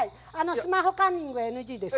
スマホカンニングはＮＧです。